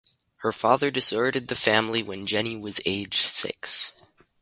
Her father deserted the family when Jenny was aged six.